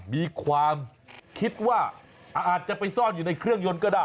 มีความคิดว่าอาจจะไปซ่อนอยู่ในเครื่องยนต์ก็ได้